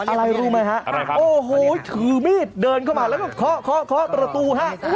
อะไรรู้ไหมคะโอ้โฮถือมีดเดินเข้ามาแล้วก็เคาะประตูค่ะ